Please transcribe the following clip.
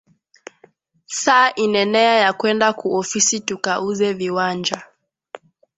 Saa inenea ya kwenda ku ofisi tuka uze viwanja